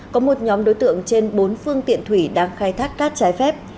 có một nhóm đối tượng trên bốn phương tiện thủy đang khai thác cát trái phép